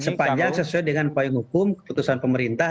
sepanjang sesuai dengan poin hukum keputusan pemerintah